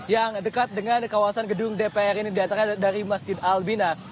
yang dekat dengan kawasan gedung dpr ini diantara dari masjid albina